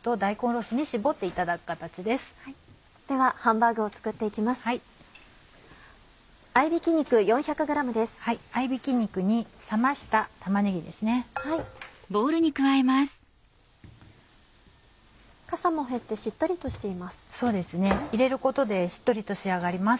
そうですね入れることでしっとりと仕上がります。